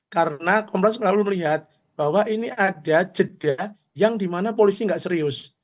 karena kompolnas selalu melihat bahwa ini ada jeda yang dimana polisi nggak serius